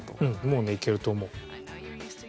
もうねいけると思う。